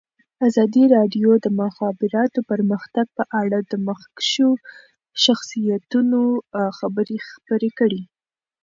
ازادي راډیو د د مخابراتو پرمختګ په اړه د مخکښو شخصیتونو خبرې خپرې کړي.